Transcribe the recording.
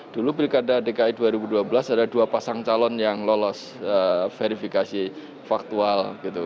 dulu pilkada dki dua ribu dua belas ada dua pasang calon yang lolos verifikasi faktual